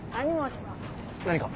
何か？